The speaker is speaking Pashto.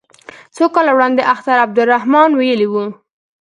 څو کاله وړاندې اختر عبدالرحمن ویلي وو.